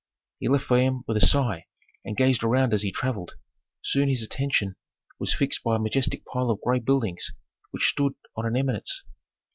He left Fayum with a sigh and gazed around as he travelled. Soon his attention was fixed by a majestic pile of gray buildings which stood on an eminence.